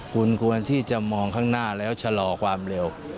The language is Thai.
คุณควรที่จะมองข้างหน้าแล้วชะลอความเร็ว